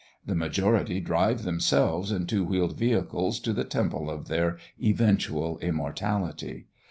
The majority drive themselves in two wheeled vehicles to the temple of their eventual immortality.